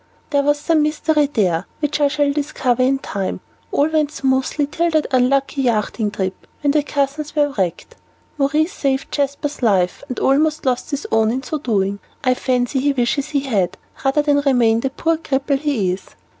"There was some mystery there which I shall discover in time. All went smoothly till that unlucky yachting trip, when the cousins were wrecked. Maurice saved Jasper's life, and almost lost his own in so doing. I fancy he wishes he had, rather than remain the poor cripple he is.